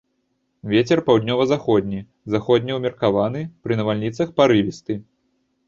Вецер паўднёва-заходні, заходні ўмеркаваны, пры навальніцах парывісты.